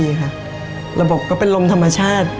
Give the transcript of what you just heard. นี่ค่ะระบบก็เป็นลมธรรมชาติ